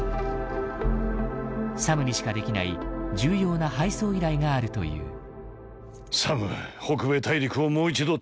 サムにしかできない重要な配送依頼があるという。